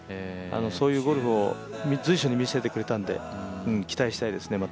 そういうゴルフを随所に見せてくれたので、また期待したいですね。